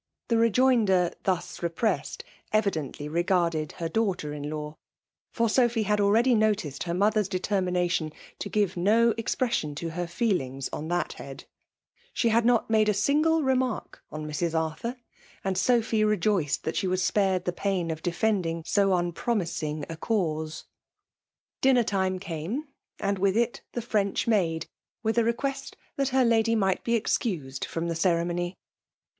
The rejoinder, thus repressed, evidently regarded her daixghter in*law; for Sophy had already noticed her mother's detenmnatioii to give no expression to her feelings on that head. She had not made a sin^ remark on Mrs. Arthur; anci Skqihy re^ieed thai she was epared die pam ef defimdiag ao nnpromisiBg a cause. Bianer time came, and with it the Frendk maad» with a request that her lady might be CDBoued fiom Ae ceremony.